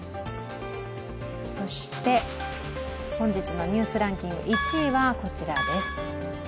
そして本日のニュースランキング１位はこちらです。